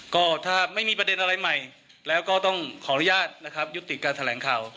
ก็ถ้าไม่มีประเด็นอะไรใหม่แล้วก็ต้องขออนุญาตนะครับยุติการแถลงข่าว